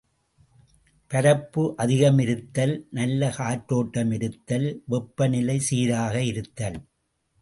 பரப்பு அதிகமிருத்தல், நல்ல காற்றோட்டமிருத்தல், வெப்பநிலை சீராக இருத்தல்.